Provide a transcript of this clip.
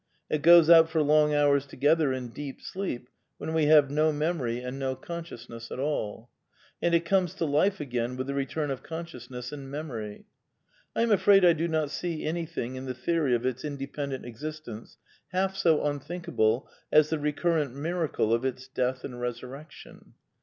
It goes out for long hours together in deep sleep when we have no memory and no consciousness at all. And it comes to life again with the return of consciousness and memory. I am afraid I do not see anything in the theory of its inde pendent existence half so unthinkable as the recurrent miracle of its death and resurrection.